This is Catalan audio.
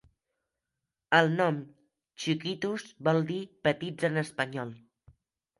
El nom Chiquitos vol dir petits en espanyol.